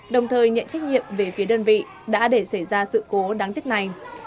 đồng thời nhận trách nhiệm về phía đơn vị đã để xảy ra sự cố đáng tiếc này